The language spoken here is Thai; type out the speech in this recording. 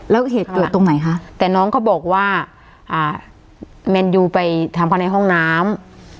แล้วเหตุเกิดตรงไหนคะแต่น้องเขาบอกว่าแมนยูไปทำเขาในห้องน้ำ